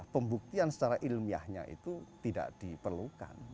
pembuktian secara ilmiahnya itu tidak diperlukan